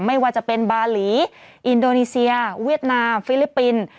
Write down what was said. ไม่ว่าจะเป็นบาหลีอินโดนีเซียเวียดนามฟิลิปปินส์